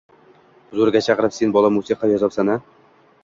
Huzuriga chaqirib, “Sen bola musiqa yozayapsan-a?